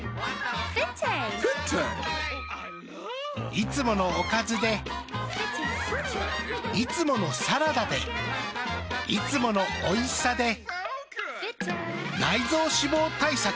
いつものおかずでいつものサラダでいつものおいしさで内臓脂肪対策。